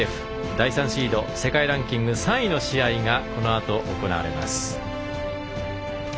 第３シード世界ランキング３位の試合がこのあと、行われます。